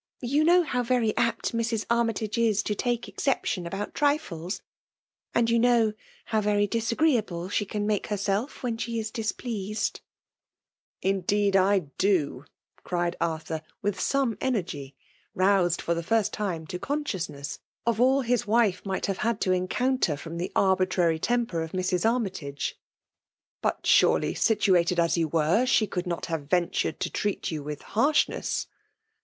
You know how very apt Mrs. Armytage is to take exception about trifles ; and you know how very disagreeable she can make herself when she is displeased.*' PEMALE DOMINATION. 41 ''Indeed I doT cried Arthur, with sora6 energy ; roused for the first time to conscious ness of all hi9 wife might have had to encoun ter from the arbitrary temper of Mrs. Army tage. " But surely, situated as you were, she could not have ventured to treat you with harshness?